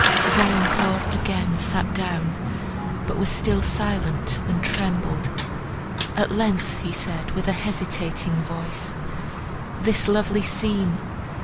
Valancourt again sat down, but was still silent, and trembled. At length he said, with a hesitating voice, "This lovely scene!